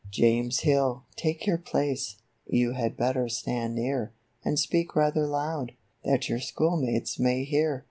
35 " James Hill, take your place; you had better stand near ; And speak rather loud, that your schoolmates may hear."